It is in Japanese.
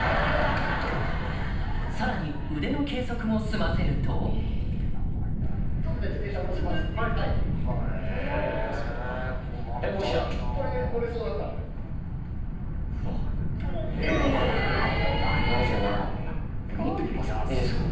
さらに腕の計測も済ませるともしや？いいですか？